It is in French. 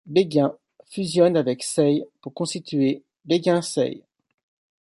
Béghin fusionne avec Say pour constituer Béghin-Say.